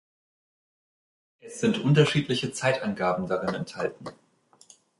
Es sind unterschiedliche Zeitangaben darin enthalten.